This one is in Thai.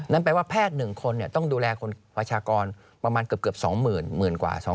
นั่นแปลว่าแพทย์๑คนเนี่ยต้องดูแลคนประชากรประมาณเกือบ๒หมื่นคน